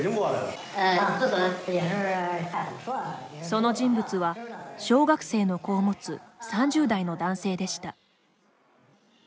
その人物は、小学生の子を持つ３０代の男性でした。